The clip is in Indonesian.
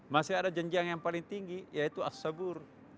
masih ada jenjang yang paling tinggi yaitu as sabur